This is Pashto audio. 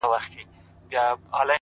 هره ورځ څو سطله اوبه اچوې-